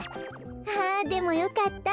あでもよかった。